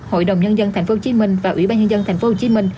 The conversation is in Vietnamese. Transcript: hội đồng nhân dân tp hcm và ủy ban nhân dân tp hcm